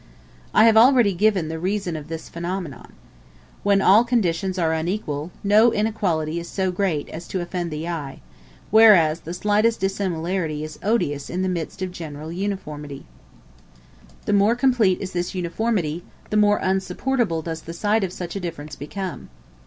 I have already given the reason of this phenomenon. When all conditions are unequal, no inequality is so great as to offend the eye; whereas the slightest dissimilarity is odious in the midst of general uniformity: the more complete is this uniformity, the more insupportable does the sight of such a difference become.